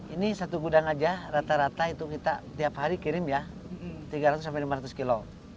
ini satu gudang aja rata rata itu kita tiap hari kirim ya tiga ratus sampai lima ratus kilo